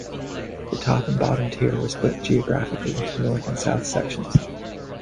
The top and bottom tier were split geographically into North and South Sections.